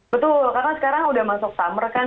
betul karena sekarang udah masuk summer kan